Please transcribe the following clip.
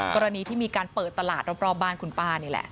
กรณีที่มีการเปิดตลาดรอบบ้านคุณป้านี่แหละ